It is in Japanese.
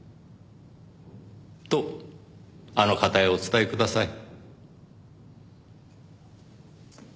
とあの方へお伝えください。